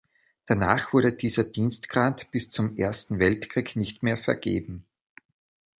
Danach wurde dieser Dienstgrad bis zum Ersten Weltkrieg nicht mehr vergeben.